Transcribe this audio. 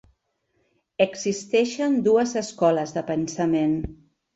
Existeixen dues escoles de pensament.